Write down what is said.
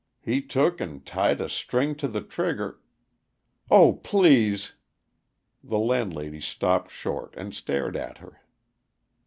He took and tied a string to the trigger " "Oh, please!" The landlady stopped short and stared at her.